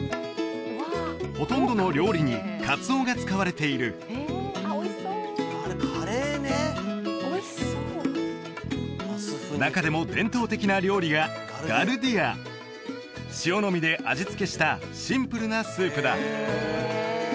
ほとんどの料理にカツオが使われている中でも伝統的な料理が塩のみで味付けしたシンプルなスープだ